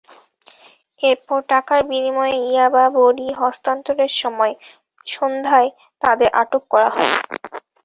এরপর টাকার বিনিময়ে ইয়াবা বড়ি হস্তান্তরের সময় সন্ধ্যায় তাঁদের আটক করা হয়।